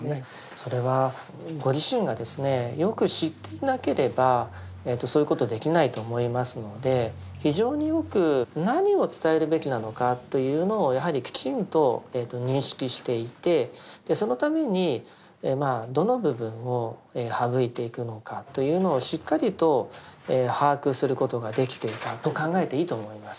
それはご自身がよく知っていなければそういうことできないと思いますので非常によく何を伝えるべきなのかというのをやはりきちんと認識していてそのためにまあどの部分を省いていくのかというのをしっかりと把握することができていたと考えていいと思います。